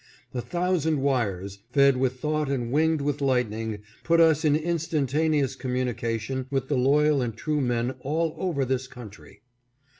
A thousand wires, fed with thought and winged with light ning, put us in instantaneous communication with the loyal and true men all over this country.